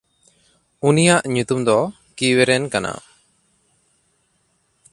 ᱩᱱᱤᱭᱟᱜ ᱧᱩᱛᱩᱢ ᱫᱚ ᱠᱤᱣᱮᱨᱮᱱ ᱠᱟᱱᱟ᱾